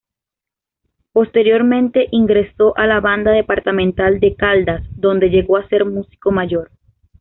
Posteriormente ingresó a la Banda Departamental de Caldas, donde llegó a ser músico mayor.